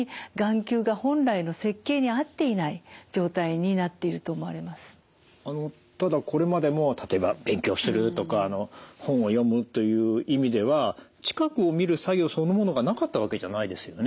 やはりそれには環境的な要因が大きくてただこれまでも例えば勉強するとか本を読むという意味では近くを見る作業そのものがなかったわけじゃないですよね？